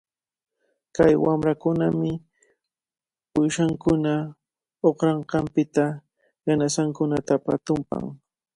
Kay wamrakunami uyshankuna uqranqanpita yanasankunata tumpan.